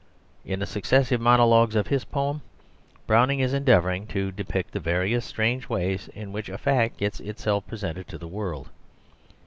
In the successive monologues of his poem, Browning is endeavouring to depict the various strange ways in which a fact gets itself presented to the world.